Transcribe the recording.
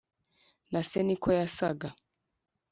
na se ni uko yasaga.